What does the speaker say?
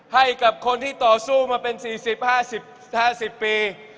ให้กับคนที่ต่อสู้มาเป็น๔๐๕๐ปี